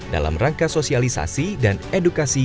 dalam rangka sosialisasi dan edukasi